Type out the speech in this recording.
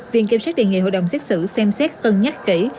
viện kiểm soát đề nghị hội đồng xét xử xem xét cần nhắc kỹ